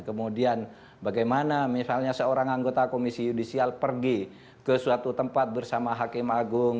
kemudian bagaimana misalnya seorang anggota komisi yudisial pergi ke suatu tempat bersama hakim agung